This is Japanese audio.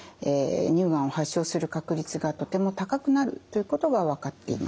乳がんを発症する確率がとても高くなるということが分かっています。